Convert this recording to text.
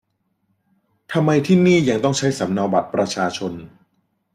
ทำไมที่นี่ยังต้องใช้สำเนาบัตรประชาชน